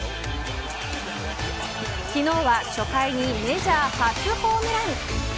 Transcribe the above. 昨日は初回にメジャー初ホームラン。